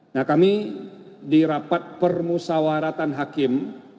nah kami di rapat permusawaratan hakim